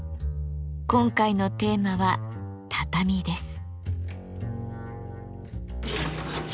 今回のテーマは「畳」です。